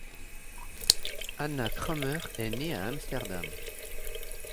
Anna Cramer est née à Amsterdam.